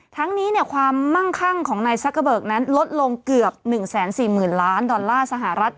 ทั้งนี้ความมั่งคั่งของนายซักเกอร์เบิกนั้นลดลงเกือบ๑๔๐๐๐ล้านดอลลาร์สหรัฐ